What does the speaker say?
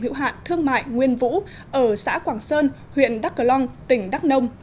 hữu hạn thương mại nguyên vũ ở xã quảng sơn huyện đắk cờ long tỉnh đắk nông